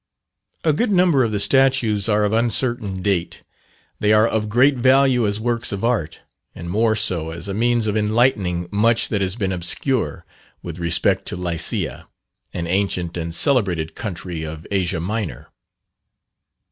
A good number of the statues are of uncertain date; they are of great value as works of art, and more so as a means of enlightening much that has been obscure with respect to Lycia, an ancient and celebrated country of Asia Minor.